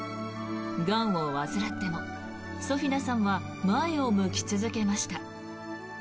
がんを患ってもソフィナさんは前を向き続けました。